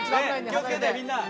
気を付けてみんな。